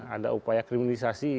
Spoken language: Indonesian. ada upaya kriminalisasi